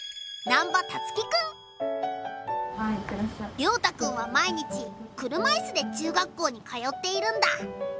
凌大くんは毎日車いすで中学校に通っているんだ。